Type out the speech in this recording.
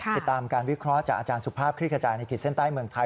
ติดตามการวิเคราะห์จากอาจารย์สุภาพคลิกขจายในขีดเส้นใต้เมืองไทย